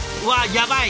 やばい！